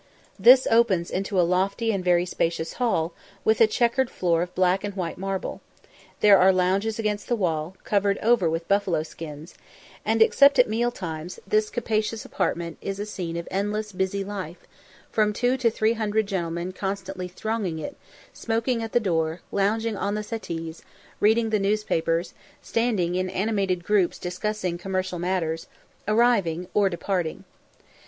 This opens into a lofty and very spacious hall, with a chequered floor of black and white marble; there are lounges against the wall, covered over with buffalo skins; and, except at meal times, this capacious apartment is a scene of endless busy life, from two to three hundred gentlemen constantly thronging it, smoking at the door, lounging on the settees, reading the newspapers, standing in animated groups discussing commercial matters, arriving, or departing.